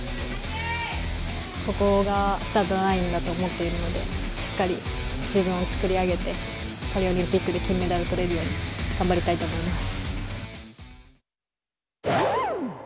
ここがスタートラインだと思ってるので、しっかり自分を作り上げて、パリオリンピックで金メダルとれるように、頑張りたいと思います。